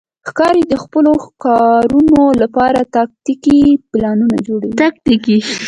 ښکاري د خپلو ښکارونو لپاره تاکتیکي پلانونه جوړوي.